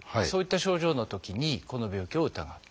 そういった症状のときにこの病気を疑う。